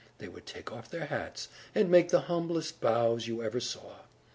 They would take off their hats, and make the humblest bows you ever saw.